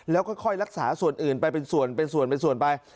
แล้วค่อยรักษาส่วนอื่นไปเป็นส่วนเป็นส่วนเป็นส่วนไป